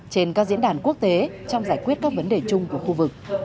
trên các diễn đàn quốc tế trong giải quyết các vấn đề chung của khu vực